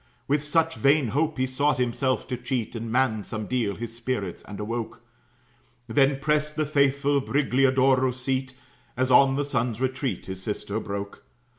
With such vain hope he sought himself to cheat, And manned some deal his spirits and awoke; Then prest the faithful Brigliadoro's seat, As on the sun's retreat his sister broke.